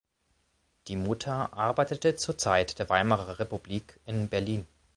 Die Mutter arbeitete zur Zeit der Weimarer Republik in Berlin.